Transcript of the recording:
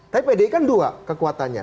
tapi pdi kan dua kekuatannya